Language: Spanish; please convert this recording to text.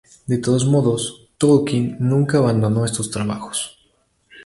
De todos modos, Tolkien nunca abandonó estos trabajos.